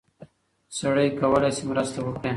سړی کولی شي مرسته وکړي.